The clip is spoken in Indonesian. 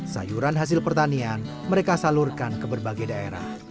sayuran hasil pertanian mereka salurkan ke berbagai daerah